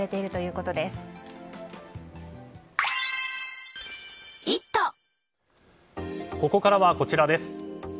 ここからはこちらです。